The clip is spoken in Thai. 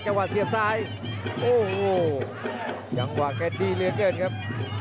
เสียบซ้ายโอ้โหจังหวะแกดีเหลือเกินครับ